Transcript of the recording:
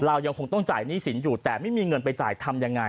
เรายังคงต้องจ่ายหนี้สินอยู่แต่ไม่มีเงินไปจ่ายทำยังไง